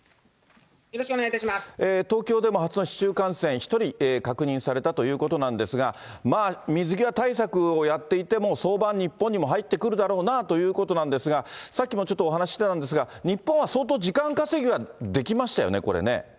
東京でも初の市中感染、１人確認されたということなんですが、水際対策をやっていても、早晩、日本にも入ってくるだろうなぁということなんですが、さっきもちょっとお話してたんですが、日本は相当時間稼ぎはできましたよね、これね。